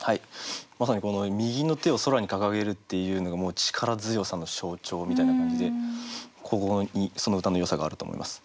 まさにこの「右の手を空に掲げる」っていうのがもう力強さの象徴みたいな感じでここにその歌のよさがあると思います。